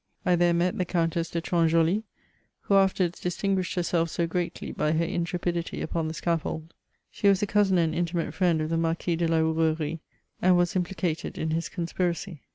I there met the Countess de Tronjoli, who afterwards distinguished herself so greatly by her intrepidity upon the scaffold : she was the cousin and intimate friend of the Marquis de La Bouerie, and was impli cated in his conspiracy.